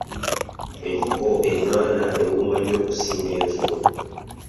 Enkoko eŋŋanda ewooma nnyo okusinga enzungu.